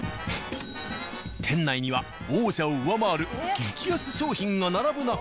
店内には王者を上回る激安商品が並ぶ中。